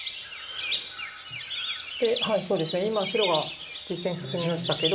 で今白が実戦進みましたけど。